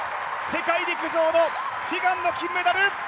世界陸上の悲願の金メダル！